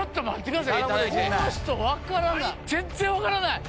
全然分からない！